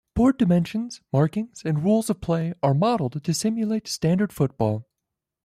Board dimensions, markings, and rules of play are modeled to simulate standard football.